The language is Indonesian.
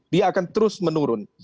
dia akan terus menurun